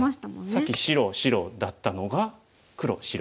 さっき白白だったのが黒白。